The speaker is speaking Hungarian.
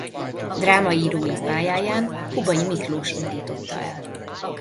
Drámaírói pályáján Hubay Miklós indította el.